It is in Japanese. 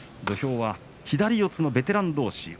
土俵は左四つのベテランどうし